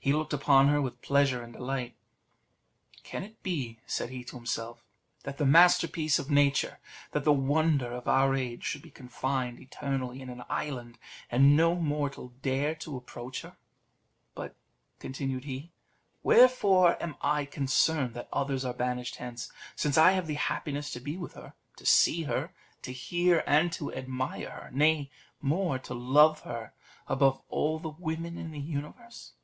He looked upon her with pleasure and delight. "Can it be," said he to himself, "that the masterpiece of nature, that the wonder of our age, should be confined eternally in an island, and no mortal dare to approach her? But," continued he, "wherefore am I concerned that others are banished hence, since I have the happiness to be with her, to see her, to hear and to admire her; nay more, to love her above all the women in the universe?"